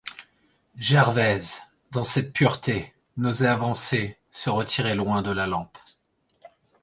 Gervaise, dans cette pureté, n'osait avancer, se retirait loin de la lampe.